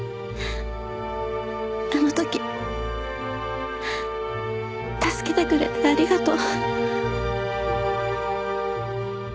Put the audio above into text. あの時助けてくれてありがとう。